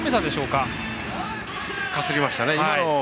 かすりましたね。